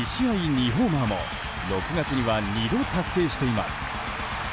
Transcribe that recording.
２ホーマーも６月には２度達成しています。